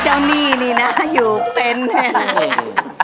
เจ้านี่นี่นะอยู่เต้นแห่ง